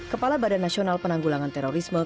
kepala badan nasional penanggulangan terorisme